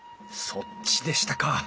そっちでしたか。